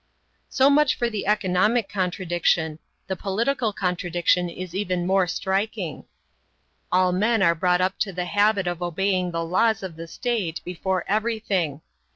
So much for the economic contradiction. The political contradiction is even more striking. All men are brought up to the habit of obeying the laws of the state before everything.